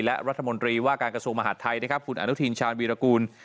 และรัฐมนตรีว่าการกระทรวงมหาดไทยนะครับคุณอนุทินชาญวีรกูล